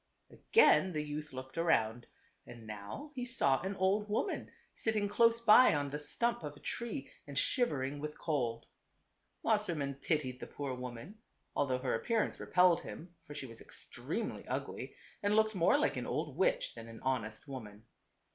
" Again the youth looked around, and now he saw an old woman sitting close by on the stump of a tree and shivering with cold. Wassermann pitied the poor woman, although her appearance repelled him, for she was extremely ugly, and 304 TWO BBOTHEBS. looked more like an old witch than an honest woman.